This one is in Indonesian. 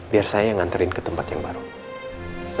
biar saya yang nganterin ke tempat yang sama ya